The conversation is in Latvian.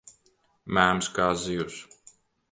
Mēms kā zivs.